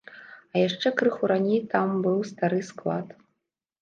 А яшчэ крыху раней там быў стары склад.